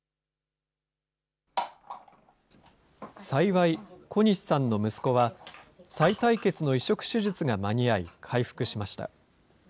幸い、小西さんの息子は、さい帯血の移植手術が間に合い、回復しました。